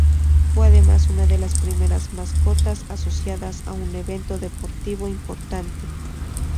Fue además una de las primeras mascotas asociadas a un evento deportivo importante.